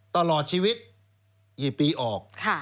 ตลอดชีวิตกี่ปีออก